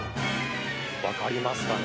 分かりますかね。